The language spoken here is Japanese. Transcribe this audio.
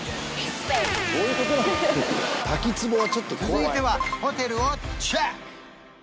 続いてはホテルをチェック！